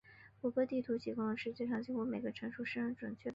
谷歌地图提供了世界上几乎每一个城市深入准确的地图。